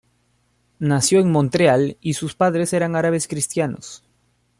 Nació en Montreal y sus padres eran árabes cristianos.